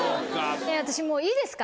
・私もういいですか？